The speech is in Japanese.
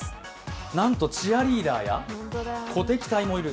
なんと、チアリーダーや鼓笛隊もいる。